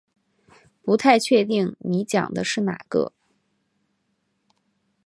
不太确定你讲的是哪个